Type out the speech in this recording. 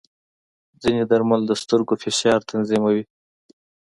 ځینې درمل د سترګو فشار تنظیموي.